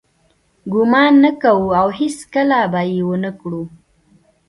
ګمان نه کوو او هیڅکله به یې ونه کړو.